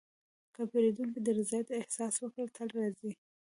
که پیرودونکی د رضایت احساس وکړي، تل راځي.